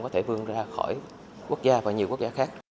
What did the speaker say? có thể vươn ra khỏi quốc gia và nhiều quốc gia khác